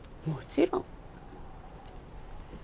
もちろん。